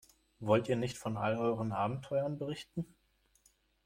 Wollt ihr nicht von all euren Abenteuern berichten?